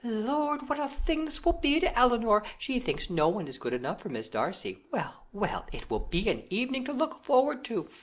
Lord! what a thing this will be to Elinor! She thinks no one is good enough for Miss Darcy. Well, well, it will be an evening to look forward to.